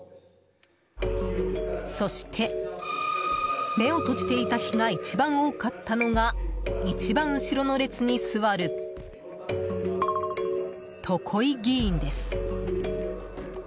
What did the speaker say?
そして、目を閉じていた日が一番多かったのが一番後ろの列に座る常井議員です。